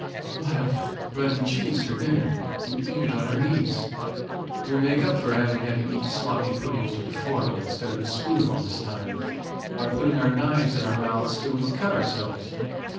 "We'll have bread and cheese for dinner, and eat it on our knees; we'll make up for having had to eat sloppy puddings with a fork instead of a spoon all this time, by putting our knives in our mouths till we cut ourselves.